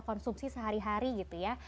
konsumsi sehari hari gitu ya